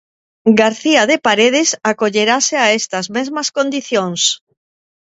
García de Paredes acollerase a estas mesmas condicións.